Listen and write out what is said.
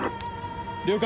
了解！